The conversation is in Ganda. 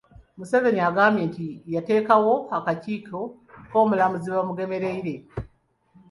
Museveni agambye nti yateekawo akakiiko k’Omulamuzi Bamugemereirwe.